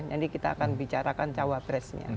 nanti kita akan bicarakan cawapresnya